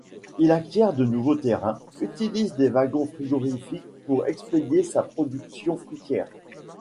Il acquiert de nouveaux terrains, utilise des wagons frigorifiques pour expédier sa production fruitière.